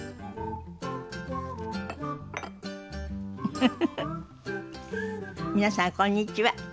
フフフフ皆さんこんにちは。